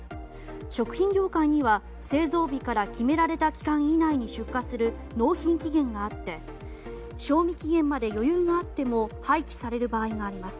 食品業界には製造日から決められた期間以内に出荷する納品期限があって賞味期限まで余裕があっても廃棄される場合があります。